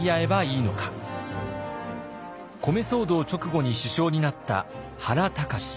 米騒動直後に首相になった原敬。